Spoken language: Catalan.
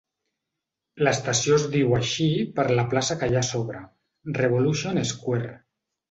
L'estació es diu així per la plaça que hi ha a sobre, Revolution Square.